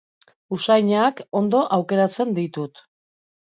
Usainak ondo aukeratzen ditut.